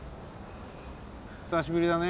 ひさしぶりだね。